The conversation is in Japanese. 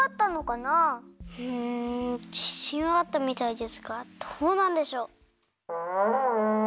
うんじしんはあったみたいですがどうなんでしょう。